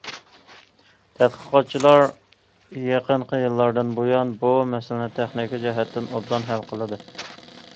تەتقىقاتچىلار يېقىنقى يىللاردىن بۇيان بۇ مەسىلىنى تېخنىكا جەھەتتىن ئوبدان ھەل قىلدى.